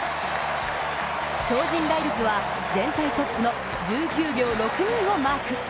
超人ライルズは、全体トップの１９秒６２をマーク。